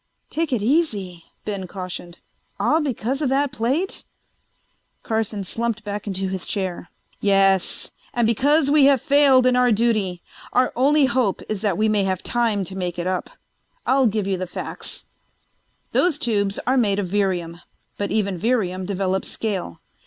"Take it easy," Ben cautioned. "All because of that plate?" Carson slumped back into his chair. "Yes. And because we have failed in our duty. Our only hope is that we may have time to make it up. I'll give you the facts: "Those tubes are made of Virium, but even Virium develops scale.